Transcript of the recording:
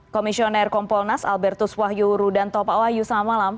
komisioner kompolnas albertus wahyu rudanto pak wahyu selamat malam